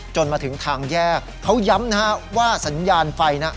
มาถึงทางแยกเขาย้ำนะฮะว่าสัญญาณไฟนะ